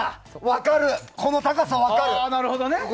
分かる、この高さ、分かる。